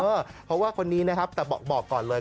เพราะว่าคนนี้นะครับแต่บอกก่อนเลย